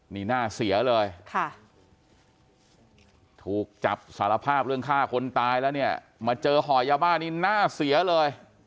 นี่หน้าเสียเลยค่ะถูกจับสารภาพเรื่องฆ่าคนตายแล้วเนี่ยมาเจอห่อยาบ้านี่หน้าเสียเลย